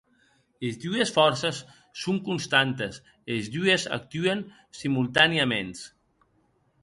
Es dues fòrces son constantes, e es dues actuen simultanèaments.